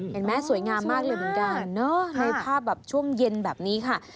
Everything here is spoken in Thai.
เห็นไหมสวยงามมากเลยเหมือนกันในภาพแบบช่วงเย็นแบบนี้ค่ะ